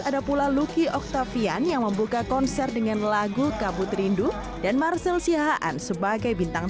ada pula luki octavian yang membuka konser dengan lagu kabut rindu dan marcel sihaan sebagai bintang